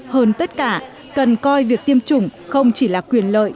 hơn tất cả cần coi việc tiêm chủng không chỉ là quyền lợi